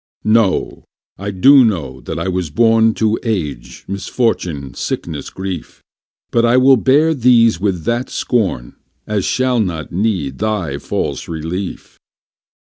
No, I do know that I was born To age, misfortune, sickness, grief: But I will bear these with that scorn As shall not need thy false relief.